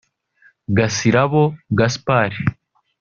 Gasirabo Gaspard